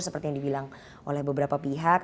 seperti yang dibilang oleh beberapa pihak